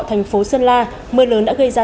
thành phố sơn la mưa lớn đã gây ra